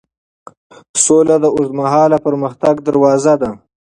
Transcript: سوله د اوږدمهاله پرمختګ دروازه ده.